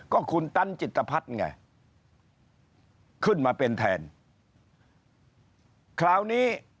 ก็คุณตันจิตทพัฒน์ไงขึ้นมาเป็นแทน